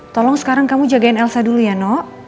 tolong sekarang kamu jagain elsa dulu ya nok